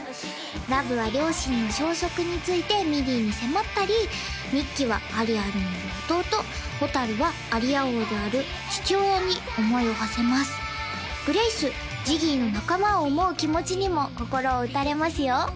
ラヴは両親の消息についてミディに迫ったりニッキはアリアにいる弟蛍はアリア王である父親に思いをはせますグレイスジギーの仲間を思う気持ちにも心を打たれますよ